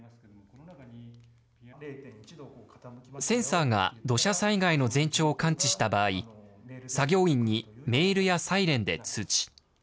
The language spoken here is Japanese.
センサーが土砂災害の前兆を感知した場合、作業員にメールやサイレンで通知。